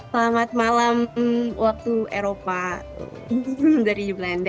selamat malam waktu eropa dari belanda